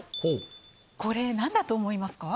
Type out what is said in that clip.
これ、なんだと思いますか？